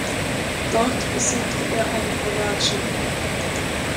Dort besuchte er eine Privatschule.